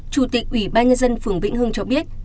chủ tịch ủy ban nhân dân phường vĩnh hương cho biết